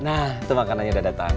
nah itu makanannya udah datang